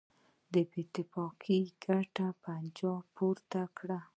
د بېاتفاقۍ ګټه یې پنجاب پورته کړي.